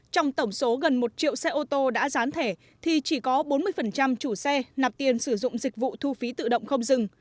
trong tổng số gần một triệu xe ô tô đã dán thẻ thì chỉ có bốn mươi chủ xe nạp tiền sử dụng dịch vụ thu phí tự động không dừng